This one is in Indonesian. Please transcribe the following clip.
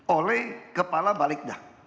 oleh kepala balik dah